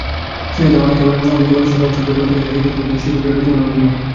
শিশুদের অনেকে বলেছে, সচ্ছল পরিবার থেকে আসা শিক্ষার্থীদের প্রতি শিক্ষকেরা বেশি মনোযোগী হন।